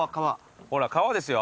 ほら川ですよ。